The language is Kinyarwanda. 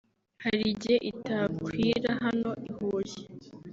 hari igihe itakwira hano i Huye